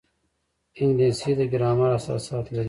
انګلیسي د ګرامر اساسات لري